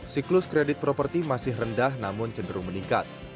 siklus kredit properti masih rendah namun cenderung meningkat